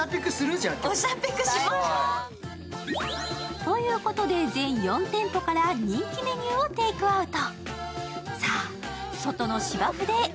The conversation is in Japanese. じゃあ今日。ということで全４店舗から人気メニューをテイクアウト。